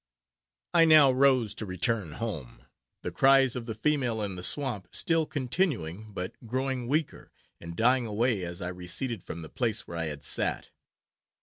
I now rose to return home; the cries of the female in the swamp still continuing, but growing weaker, and dying away, as I receded from the place where I had sat.